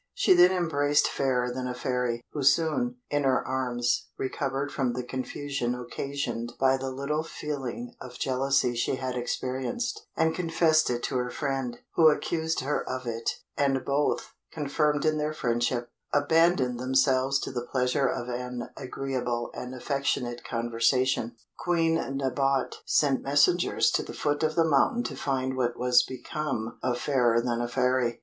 She then embraced Fairer than a Fairy, who soon, in her arms, recovered from the confusion occasioned by the little feeling of jealousy she had experienced, and confessed it to her friend, who accused her of it; and both, confirmed in their friendship, abandoned themselves to the pleasure of an agreeable and affectionate conversation. Queen Nabote sent messengers to the foot of the mountain to find what was become of Fairer than a Fairy.